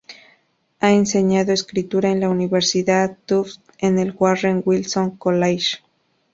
Ha enseñado escritura en la Universidad Tufts y en el Warren Wilson College.